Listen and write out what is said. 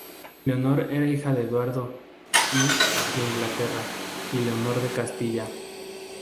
Leonor era hija de Eduardo I de Inglaterra y Leonor de Castilla.